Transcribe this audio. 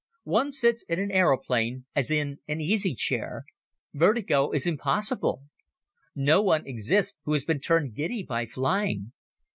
One sits in an aeroplane as in an easy chair. Vertigo is impossible. No man exists who has been turned giddy by flying.